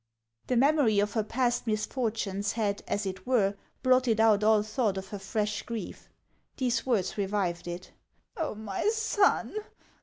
'' The memory of her past misfortunes had, as it were, blotted out all thought of her fresh grief; these words revived it. " Oh, my son